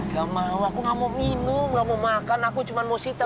gak mau aku gak mau minum gak mau makan aku cuma mau sita